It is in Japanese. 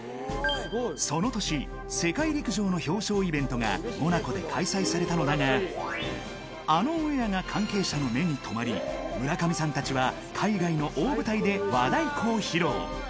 その年、世界陸上の表彰イベントがモナコで開催されたのだが、あのオンエアが関係者の目に留まり、村上さんたちは海外の大舞台で和太鼓を披露。